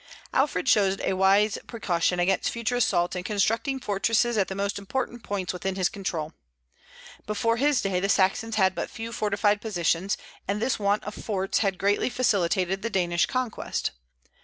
Alfred showed a wise precaution against future assaults in constructing fortresses at the most important points within his control. Before his day the Saxons had but few fortified positions, and this want of forts had greatly facilitated the Danish conquest.